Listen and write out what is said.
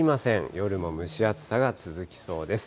夜も蒸し暑さが続きそうです。